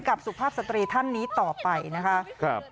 กับสุขภาพสตรีท่านนี้ต่อไปนะครับ